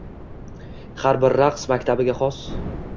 Har bir raqs maktabiga xos